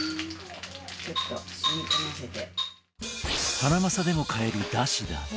ハナマサでも買えるダシダ